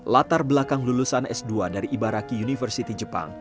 latar belakang lulusan s dua dari ibaraki university jepang